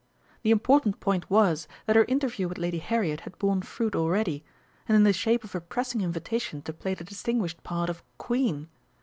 The important point was that her interview with Lady Harriet had borne fruit already, and in the shape of a pressing invitation to play the distinguished part of "Queen!"